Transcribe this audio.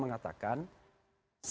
karena itu saya mengatakan